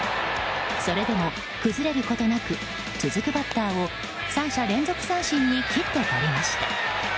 それでも崩れることなく続くバッターを３者連続三振に切ってとりました。